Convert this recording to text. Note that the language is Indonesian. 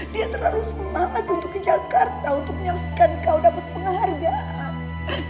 dia terlalu semangat untuk ke jakarta untuk menyaksikan kau dapat penghargaan